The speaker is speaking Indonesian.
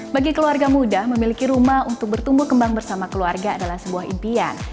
bagi keluarga muda memiliki rumah untuk bertumbuh kembang bersama keluarga adalah sebuah impian